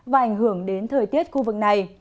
và ảnh hưởng đến thời tiết khu vực này